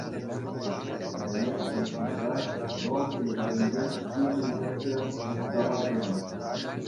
Вӗренесшӗн ҫунса, вӑл хӗл варринчех пит инҫетрен Мускава пынӑ.